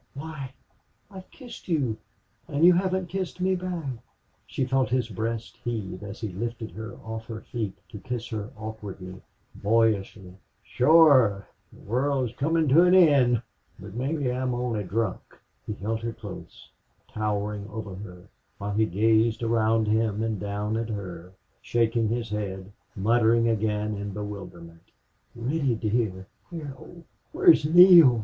Why, I've kissed you!... and you haven't kissed me back." She felt his breast heave as he lifted her off her feet to kiss her awkwardly, boyishly. "Shore the world's comin' to an end!... But mebbe I'm only drunk!" He held her close, towering over her, while he gazed around him and down at her, shaking his head, muttering again in bewilderment. "Reddy dear where, oh, where is Neale?"